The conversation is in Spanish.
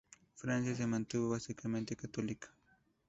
Francia se mantuvo básicamente católica.